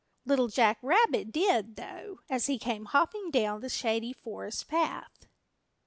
Little Jack Rabbit did, though, as he came hopping down the Shady Forest Path.